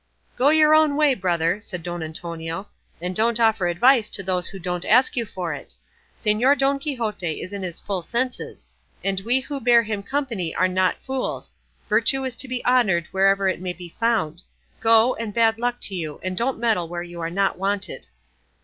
"Go your own way, brother," said Don Antonio, "and don't offer advice to those who don't ask you for it. Señor Don Quixote is in his full senses, and we who bear him company are not fools; virtue is to be honoured wherever it may be found; go, and bad luck to you, and don't meddle where you are not wanted."